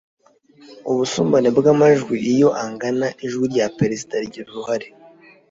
ubusumbane bw amajwi Iyo angana ijwi rya Perezida rigira uruhare